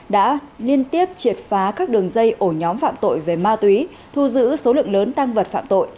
đã liên tiếp triệt phá các đường dây ổ nhóm phạm tội về ma túy thu giữ số lượng lớn tăng vật phạm tội